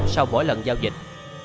sau mỗi lần giao dịch